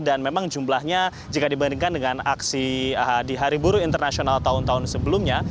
memang jumlahnya jika dibandingkan dengan aksi di hari buruh internasional tahun tahun sebelumnya